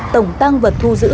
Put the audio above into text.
tổng tăng vật thu giữ